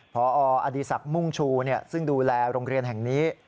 พออดีศักดิ์มุ่งชูซึ่งดูแลโรงเรียนแห่งนี้